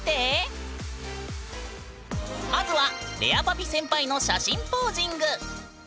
まずはれあぱぴ先輩の写真ポージング。